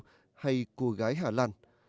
vinamilk hay cô gái hà lan